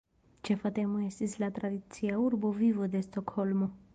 Ĉefa temo estis la tradicia urba vivo de Stokholmo.